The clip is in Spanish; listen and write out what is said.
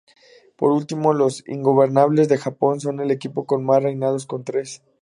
Por último, Los Ingobernables de Japón son el equipo con más reinados, con tres.